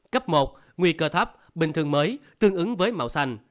cấp một nguy cơ thấp bình thường mới tương ứng với màu xanh